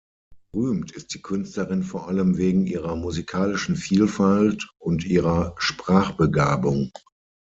Berühmt ist die Künstlerin vor allem wegen ihrer musikalischen Vielfalt und ihrer Sprachbegabung.